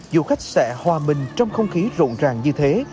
du khách sẽ hòa mình trong không khí rộn ràng như thế